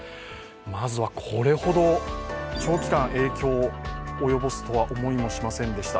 まずはこれほど長期間影響を及ぼすとは思いもしませんでした。